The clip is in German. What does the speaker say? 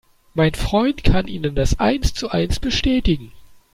Mein Freund kann Ihnen das eins zu eins bestätigen.